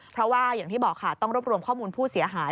เพราะว่าอย่างที่บอกค่ะต้องรวบรวมข้อมูลผู้เสียหาย